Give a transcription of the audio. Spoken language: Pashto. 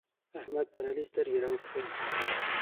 احمد پر علي سترګې راوکښې.